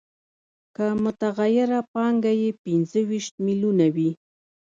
که متغیره پانګه یې پنځه ویشت میلیونه وي